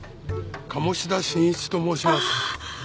鴨志田新一と申します。